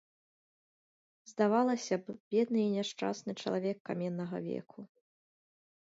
Здавалася б, бедны і няшчасны чалавек каменнага веку.